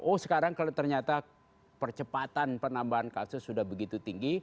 oh sekarang kalau ternyata percepatan penambahan kasus sudah begitu tinggi